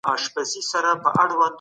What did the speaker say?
خپل ځان له جسمي ستړیا وساتئ.